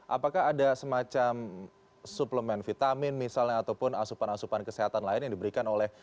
apakah ada semacam suplemen vitamin misalnya ataupun asupan asupan kesehatan lain yang diberikan oleh